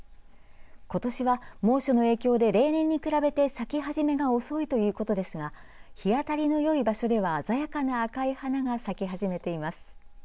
ことしは猛暑の影響で例年に比べて咲き始めが遅いということですが日当たりのよい場所では鮮やかな赤い花が咲き始めています。